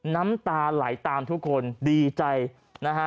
น้ำตาไหลตามทุกคนดีใจนะฮะ